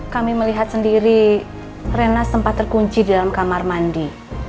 kami melihat sendiri rena sempat terkunci di dalam kamar mandi